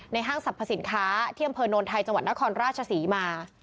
ในห้างสรรพสินค้าเที่ยมเพิร์นโนนไทยจังหวัดนครราชสีมา